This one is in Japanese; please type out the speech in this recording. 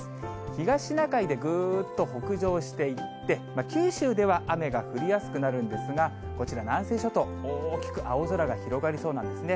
東シナ海でぐーっと北上していって、九州では雨が降りやすくなるんですが、こちら、南西諸島、大きく青空が広がりそうなんですね。